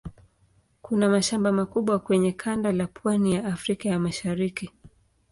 Kuna mashamba makubwa kwenye kanda la pwani ya Afrika ya Mashariki.